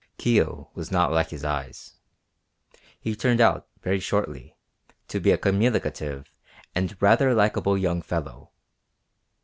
Kio was not like his eyes. He turned out, very shortly, to be a communicative and rather likable young fellow.